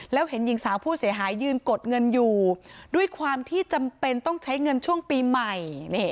แล้วเห็นหญิงสาวผู้เสียหายยืนกดเงินอยู่ด้วยความที่จำเป็นต้องใช้เงินช่วงปีใหม่